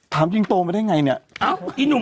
ถามจริงโตมาได้ไงเนี่ย